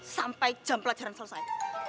sampai jam pelajaran selesai